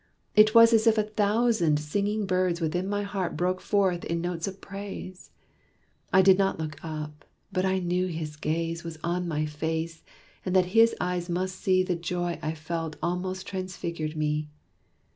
It was as if a thousand singing birds Within my heart broke forth in notes of praise. I did not look up, but I knew his gaze Was on my face, and that his eyes must see The joy I felt almost transfigured me.